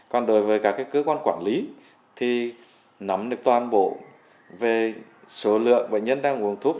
còn đối với các cơ quan quản lý thì nắm được toàn bộ về số lượng bệnh nhân đang uống thuốc